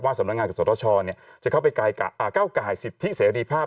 ว่าสถานการณ์กับสรชนจะเข้าไปก้าวไก่สิทธิเสียดีภาพ